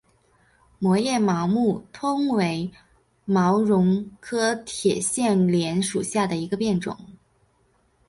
膜叶毛木通为毛茛科铁线莲属下的一个变种。